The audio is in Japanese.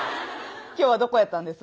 今日はどこやったんです？